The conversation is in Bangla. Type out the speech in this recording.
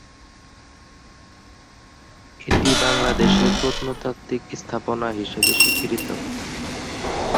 এটি বাংলাদেশের প্রত্নতাত্ত্বিক স্থাপনা হিসেবে স্বীকৃত।